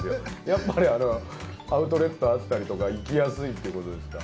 やっぱりアウトレットあったりとか行きやすいってことですか？